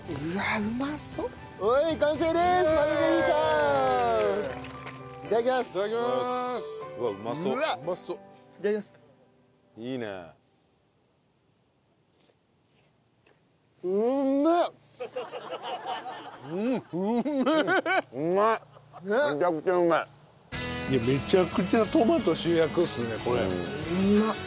うまっ。